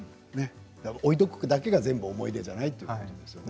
置いておくだけが全部思い出じゃないということですね。